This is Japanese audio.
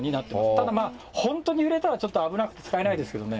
ただまあ、本当に揺れたら、ちょっと危なくて使えないですけれどもね。